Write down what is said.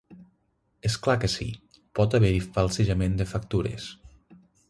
És clar que sí, pot haver-hi falsejament de factures.